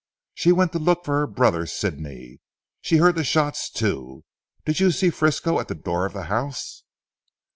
"She went to look for her brother Sidney. She heard the shots too. Did you see Frisco at the door of the house?"